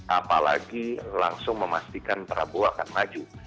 apalagi langsung memastikan prabowo akan maju